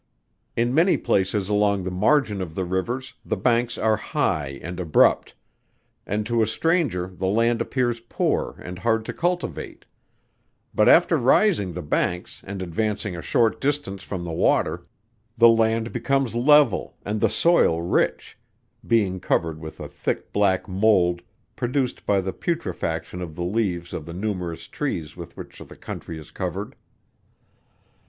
In many places along the margin of the rivers, the banks are high and abrupt, and to a stranger the land appears poor and hard to cultivate; but after rising the banks, and advancing a short distance from the water, the land becomes level, and the soil rich; being covered with a thick black mould, produced by the putrefaction of the leaves of the numerous trees with which the country is covered.